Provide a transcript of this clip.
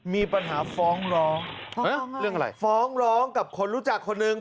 มีปัญหาฟ้องร้องเรื่องอะไรฟ้องร้องกับคนรู้จักคนหนึ่ง